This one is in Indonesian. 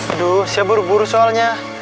aduh saya buru buru soalnya